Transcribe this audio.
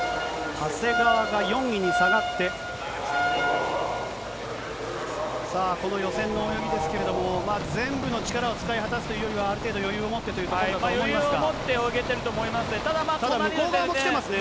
長谷川が４位に下がって、さあ、この予選の泳ぎですけれども、全部の力を使い果たすというよりは、ある程度余裕を持ってということだと思いますが。